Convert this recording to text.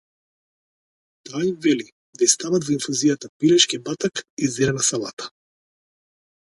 Таа им вели да ѝ стават во инфузијата пилешки батак и зелена салата.